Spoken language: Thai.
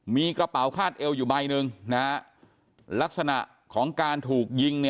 มีกระเป๋าคาดเอวอยู่ใบหนึ่งลักษณะของการถูกยิง